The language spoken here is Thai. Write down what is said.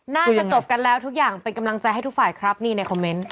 น่าจะจบกันแล้วทุกอย่างเป็นกำลังใจให้ทุกฝ่ายครับนี่ในคอมเมนต์